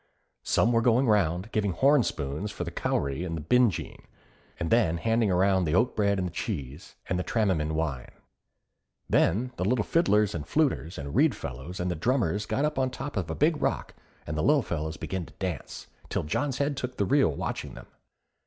Some were going round, giving horn spoons for the cowree and binjean, and then handing round the oatbread and cheese, and the tramman wine. Then the little fiddlers and fluters and reed fellows and the drummers got upon the top of a big rock, and the Lil Fellas began to dance, till John's head took the reel watching them.